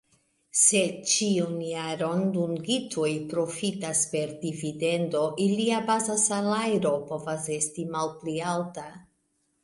Se ĉiun jaron dungitoj profitas per dividendo, ilia baza salajro povas esti malpli alta.